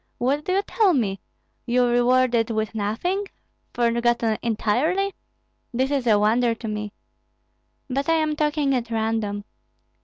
What do you tell me? You rewarded with nothing, forgotten entirely? This is a wonder to me. But I am talking at random.